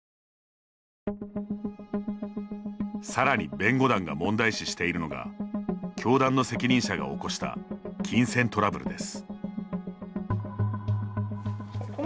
さらに弁護団が問題視しているのが教団の責任者が起こした金銭トラブルです。